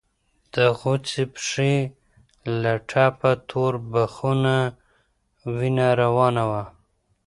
د غوڅې پښې له ټپه تور بخونه وينه روانه وه.